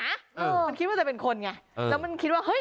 มันคิดว่าจะเป็นคนไงแล้วมันคิดว่าเฮ้ย